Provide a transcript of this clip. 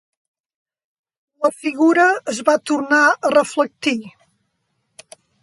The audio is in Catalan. La figura es va tornar a reflectir